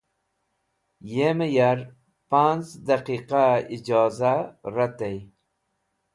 Yem ya’r panz̃ daqiqa ijoza ratey.